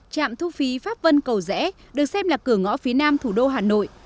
trạm thu phí pháp vân cầu rẽ được xem là cửa ngõ phía nam thủ đô hà nội